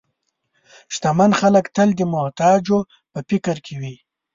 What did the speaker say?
شتمن خلک تل د محتاجو په فکر کې وي.